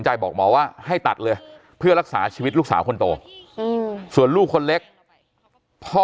บอกหมอว่าให้ตัดเลยเพื่อรักษาชีวิตลูกสาวคนโตส่วนลูกคนเล็กพ่อ